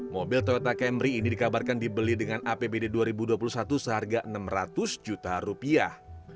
mobil toyota camry ini dikabarkan dibeli dengan apbd dua ribu dua puluh satu seharga enam ratus juta rupiah